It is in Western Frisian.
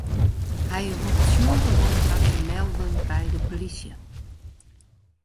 Hy ropt tsjûgen op har te melden by de plysje.